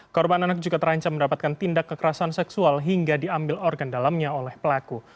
korban anak juga terancam mendapatkan tindak kekerasan seksual hingga diambil organ dalamnya oleh pelaku